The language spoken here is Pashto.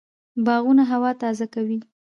باغونه هوا تازه کوي